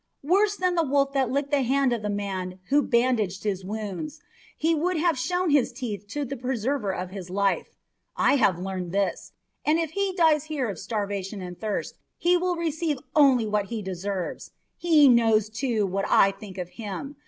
Worse than the wolf that licked the hand of the man who bandaged its wounds, he would have shown his teeth to the preserver of his life. I have learned this, and if he dies here of starvation and thirst he will receive only what he deserves. He knows, too, what I think of him.